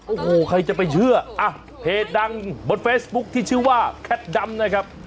โอ้โหใครจะไปเชื่ออ่ะเพจดังบนเฟซบุ๊คที่ชื่อว่าแคทดำนะครับ